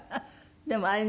でもあれね。